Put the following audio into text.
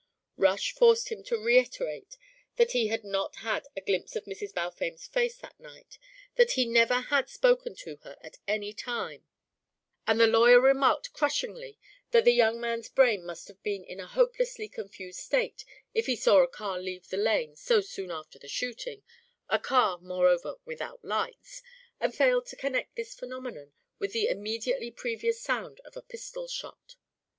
Rush forced him to reiterate that he had not had a glimpse of Mrs. Balfame's face that night, that he never had spoken to her at any time; and the lawyer remarked crushingly that the young man's brain must have been in a hopelessly confused state if he saw a car leave the lane so soon after the shooting a car, moreover, without lights and failed to connect this phenomenon with the immediately previous sound of a pistol shot.